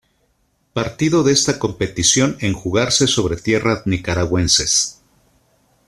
Partido de esta competición en jugarse sobre tierras nicaragüenses.